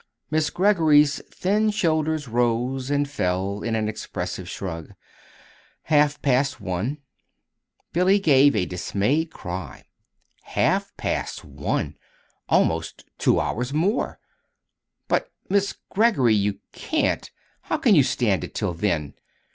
Miss Greggory's thin shoulders rose and fell in an expressive shrug. "Half past one." Billy gave a dismayed cry. "Half past one almost two hours more! But, Miss Greggory, you can't how can you stand it till then?